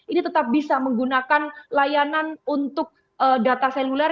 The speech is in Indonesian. ini tetap bisa menggunakan layanan untuk data seluler